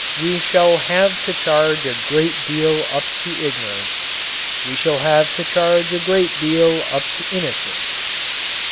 We shall have to charge a great deal up to ignorance. We shall have to charge a great deal up to innocence.